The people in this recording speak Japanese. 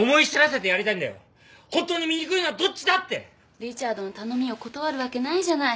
リチャードの頼みを断るわけないじゃない。